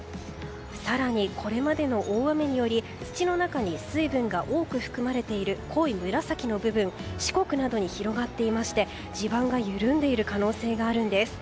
更にこれまでの大雨により土の中に水分が多く含まれている濃い紫の部分四国などに広がっていまして地盤が緩んでいる可能性があるんです。